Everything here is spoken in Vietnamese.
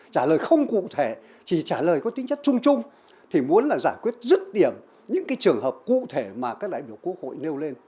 trả lời không cụ thể chỉ trả lời có tính chất chung chung thì muốn là giải quyết rứt điểm những cái trường hợp cụ thể mà các đại biểu quốc hội nêu lên